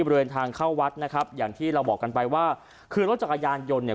บริเวณทางเข้าวัดนะครับอย่างที่เราบอกกันไปว่าคือรถจักรยานยนต์เนี่ย